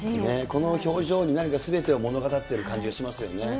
この表情に何かすべてを物語っている感じがしますよね。